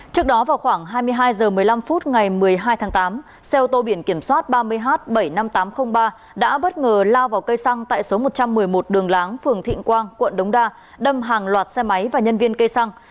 trước đó vào khoảng hai mươi hai h một mươi năm phút ngày một mươi hai tháng tám xe ô tô biển kiểm soát ba mươi h bảy mươi năm nghìn tám trăm linh ba đã bất ngờ lao vào cây xăng tại số một trăm một mươi một đường láng phường thịnh quang quận đống đa đâm hàng loạt xe máy và nhân viên cây xăng